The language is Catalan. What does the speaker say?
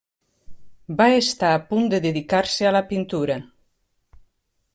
Va estar a punt de dedicar-se a la pintura.